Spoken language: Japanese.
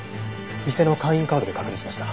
店の会員カードで確認しました。